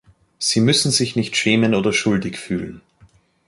Sie müssen sich nicht schämen oder schuldig fühlen.